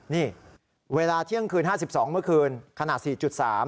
นี่เวลาเที่ยงคืน๕๒เมื่อคืนขนาด๔๓